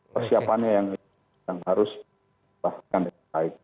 persiapannya yang harus dibahas